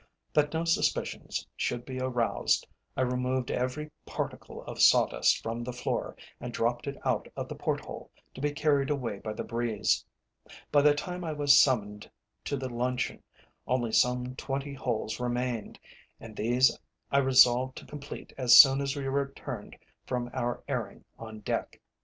That no suspicions should be aroused, I removed every particle of sawdust from the floor, and dropped it out of the port hole, to be carried away by the breeze. By the time I was summoned to the luncheon only some twenty holes remained, and these I resolved to complete as soon as we returned from our airing on deck.